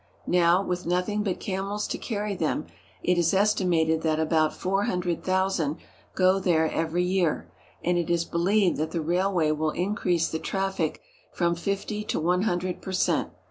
Now, with nothing but camels to carry them, it is estimated that about four hundred thousand go there every year, and it is believed that the railway will increase the traffic from fifty to one hundred per cent.